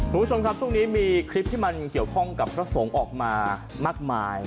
คุณผู้ชมครับช่วงนี้มีคลิปที่มันเกี่ยวข้องกับพระสงฆ์ออกมามากมาย